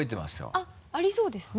あっありそうですね。